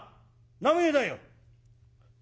名前だよ」。